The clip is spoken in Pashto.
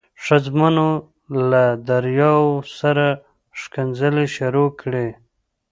ښځمنو له دریاو سره ښکنځلې شروع کړې.